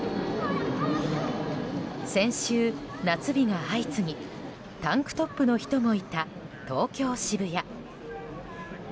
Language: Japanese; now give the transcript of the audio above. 先週、夏日が相次ぎタンクトップの人もいた東京・渋谷。